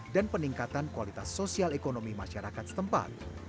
dan peningkatan kualitas sosial ekonomi masyarakat setempat